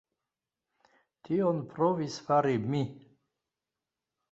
Tion provis fari mi.